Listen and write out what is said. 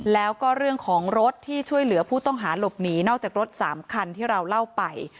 แล้วก็เรื่องของรถที่ช่วยเหลือผู้ต้องหาหลบหนีนอกจากรถ๓คันที่เราเล่าไป